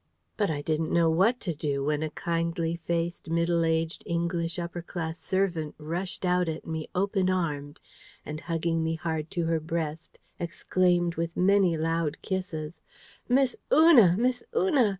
But I didn't know what to do, when a kindly faced, middle aged English upper class servant rushed out at me, open armed, and hugging me hard to her breast, exclaimed with many loud kisses: "Miss Una, Miss Una!